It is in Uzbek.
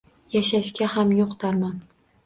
Yashashga ham yoʼq darmon.